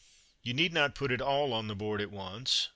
You need not put it all on the board at once.